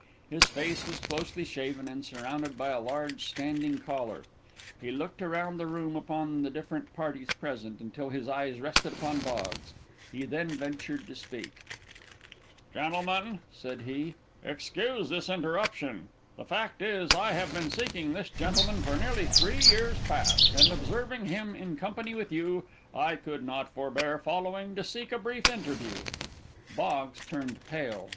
His face was closely shaven, and surrounded by a large standing collar. He looked around the room upon the different parties present, until his eyes rested upon Boggs. He then ventured to speak. "Gentlemen," said he, "excuse this interruption. The fact is, I have been seeking this gentleman for nearly three years past, and observing him in company with you, I could not forbear following to seek a brief interview." Boggs turned pale.